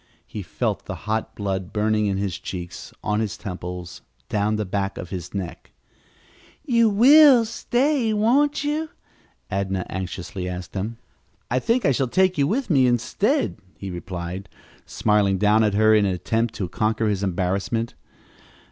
He felt the hot blood burning in his cheeks, on his temples, down the back of his neck. "You will stay, won't you?" Adnah anxiously asked him. "I think I shall take you with me, instead," he replied, smiling down at her in an attempt to conquer his embarrassment.